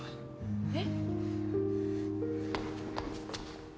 えっ？